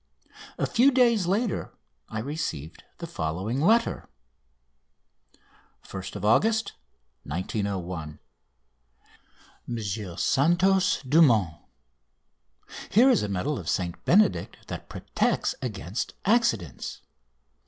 A few days later I received the following letter: "1st August 1901. "MONSIEUR SANTOS DUMONT, Here is a medal of St Benedict that protects against accidents.